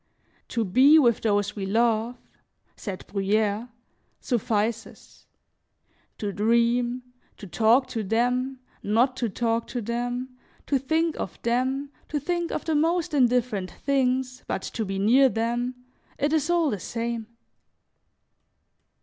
"To be with those we love," said Bruyere, "suffices; to dream, to talk to them, not to talk to them, to think of them, to think of the most indifferent things, but to be near them, it is all the same."